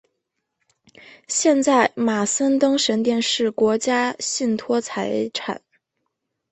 现在马森登神殿是国家信托财产。